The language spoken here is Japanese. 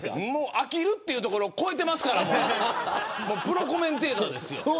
飽きるというところを超えてますからもう、プロコメンテーターです。